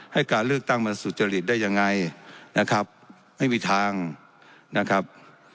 ให้การเลือกตั้งมันสุจริตได้ยังไงนะครับไม่มีทางนะครับ